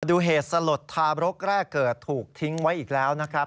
ดูเหตุสลดทาบรกแรกเกิดถูกทิ้งไว้อีกแล้วนะครับ